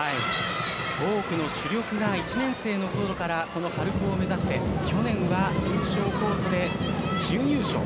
多くの主力が１年生のころからこの春高を目指して去年は優勝コートで準優勝。